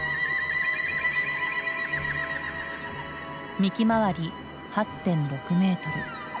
幹周り８．６メートル。